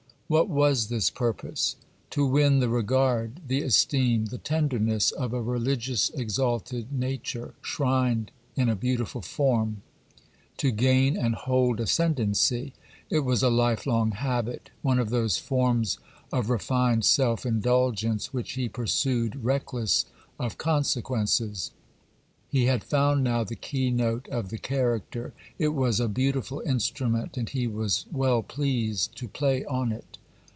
What was this purpose? to win the regard, the esteem, the tenderness of a religious exalted nature, shrined in a beautiful form—to gain and hold ascendency: it was a life long habit; one of those forms of refined self indulgence which he pursued, reckless of consequences. He had found now the key note of the character: it was a beautiful instrument, and he was well pleased to play on it.